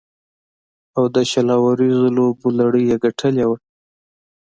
او د شل اوریزو لوبو لړۍ یې ګټلې وه.